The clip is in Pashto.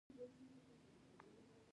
کنټرول د څه شي مخه نیسي؟